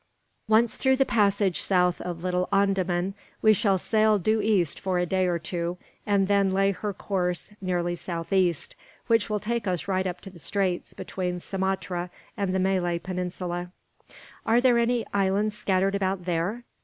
"Once through the passage south of Little Andaman, we shall sail due east for a day or two; and then lay her course nearly southeast, which will take us right up the straits between Sumatra and the Malay Peninsula." "Are there any islands scattered about there?"